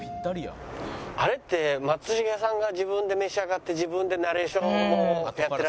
あれって松重さんが自分で召し上がって自分でナレーションもやってらっしゃるじゃないですか。